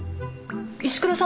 石倉さん